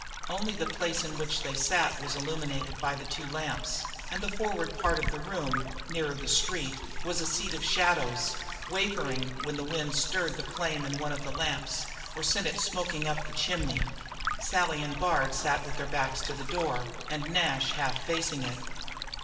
Only the place in which they sat was illumined by the two lamps, and the forward part of the room, nearer the street, was a sea of shadows, wavering when the wind stirred the flame in one of the lamps or sent it smoking up the chimney. Sally and Bard sat with their backs to the door, and Nash half facing it.